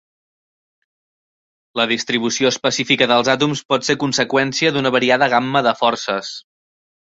La distribució específica dels àtoms pot ser conseqüència d'una variada gamma de forces.